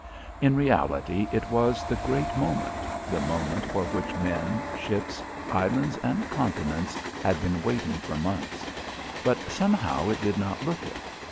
In reality it was the great moment the moment for which men, ships, islands, and continents had been waiting for months; but somehow it did not look it.